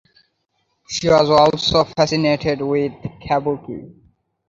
She was also fascinated with kabuki.